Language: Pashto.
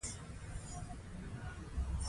د نارو پر مهال خپل ټوپکونه له اوږې را ایسته کوي.